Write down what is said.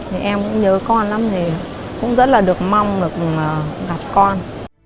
thì em cũng nhớ con lắm thì cũng rất là được mong được gặp con